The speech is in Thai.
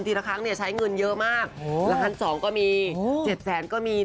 ทีละครั้งเนี่ยใช้เงินเยอะมากละ๑๒๐๐ก็มี๗แสนก็มี